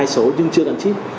một mươi hai số nhưng chưa đặt chip